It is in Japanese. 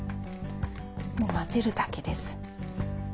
もう混ぜるだけです。